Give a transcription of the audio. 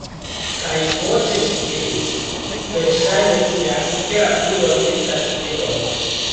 Kaj voĉe ŝi diris: -- Verŝajne tial, ke la viroj estas viroj.